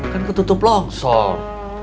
kan ketutup longsor